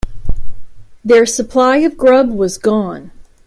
Their supply of grub was gone.